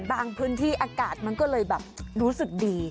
บางพื้นที่อากาศมันก็เลยแบบรู้สึกดี